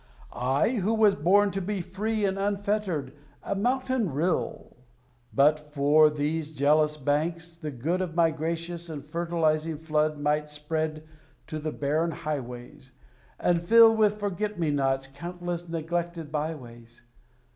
I, who was born to be free and unfettered a mountain rill! But for these jealous banks, the good Of my gracious and fertilizing flood Might spread to the barren highways, And fill with Forget me nots countless neglected byways.